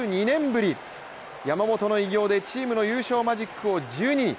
山本の偉業でチームの優勝マジックを１２、